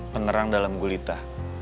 penerang dalam gulita